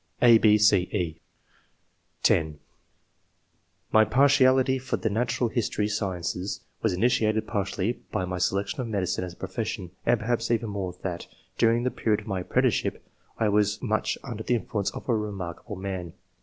(a, 6, c, e) (10) "My partiality for the natural history sciences was initiated partly by my selection of medicine as a profession, and perhaps even more that, during the period of my apprenticeship, I was much under the influence of a remarkable man